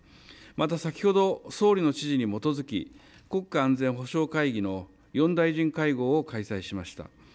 また、先ほど、総理の指示に基づき、国家安全保障会議の４大臣会合を開催しました。